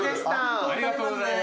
ありがとうございます。